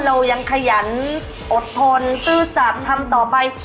เรายังขยันอดทนซื่อสัตว์ทำต่อไป